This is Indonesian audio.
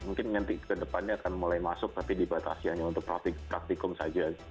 mungkin nanti kedepannya akan mulai masuk tapi dibatasi hanya untuk praktikum saja